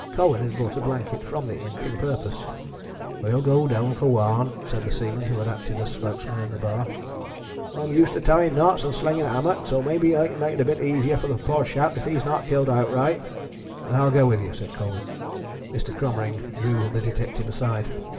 Colwyn had brought a blanket from the inn for the purpose. "I'll go down, for one," said the seaman who had acted as spokesman in the bar. "I'm used to tying knots and slinging a hammock, so maybe I can make it a bit easier for the poor chap if he's not killed outright." "And I'll go with you," said Colwyn. Mr. Cromering drew the detective aside.